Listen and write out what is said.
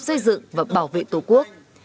xây dựng và bảo vệ tổ quốc